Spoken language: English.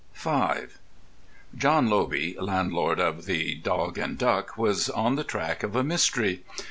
V John Lobey, landlord of "The Dog and Duck," is on the track of a mystery.